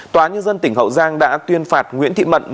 tòa nhân dân tỉnh hậu giang đã tuyên phạt nguyễn thị mận một mươi bảy tuổi